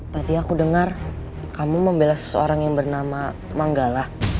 tadi aku dengar kamu membela seseorang yang bernama manggala